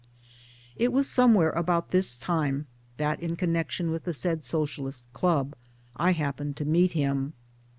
It was somewhere about this time that, in con nection with the said Socialist club, I happened to meet him.